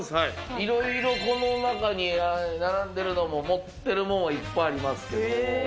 いろいろこの中に並んでるのも持ってるもんはいっぱいありますけど。